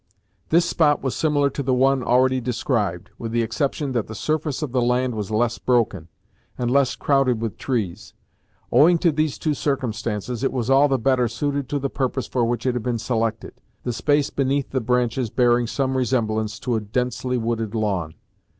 This spot was similar to the one already described, with the exception that the surface of the land was less broken, and less crowded with trees. Owing to these two circumstances, it was all the better suited to the purpose for which it had been selected, the space beneath the branches bearing some resemblance to a densely wooded lawn.